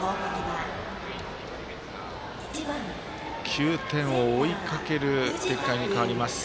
９点を追いかける展開に変わります